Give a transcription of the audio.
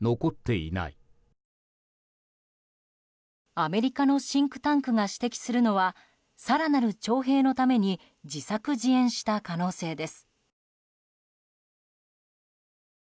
アメリカのシンクタンクが指摘するのは更なる徴兵のために自作自演した可能性です。